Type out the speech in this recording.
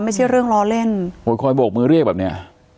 ไม่ใช่เรื่องล้อเล่นโอ้ยคอยโบกมือเรียกแบบเนี้ย